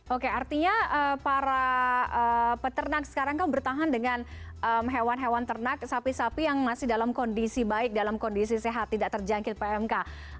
oke artinya para peternak sekarang kan bertahan dengan hewan hewan ternak sapi sapi yang masih dalam kondisi baik dalam kondisi sehat tidak terjangkit pmk